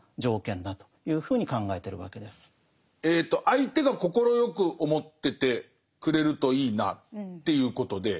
相手が快く思っててくれるといいなっていうことで。